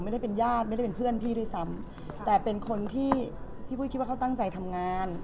ไม่ได้เป็นญาติไม่ได้เป็นเพื่อนพี่ด้วยซ้ำแต่เป็นคนที่พี่ปุ้ยคิดว่าเขาตั้งใจทำงาน